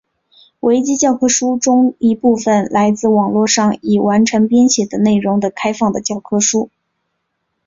维基教科书中一部分书来自网路上已完成编写的内容开放的教科书。